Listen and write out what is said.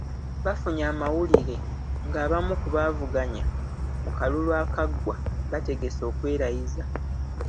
Bafunye amawulire ng'abamu ku baavuganya mu kalulu akaggwa bategese okwerayiza.